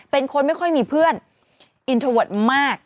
เป็นคนไม่ค่อยมีเพื่อนอินเทอร์เวิร์ดมาก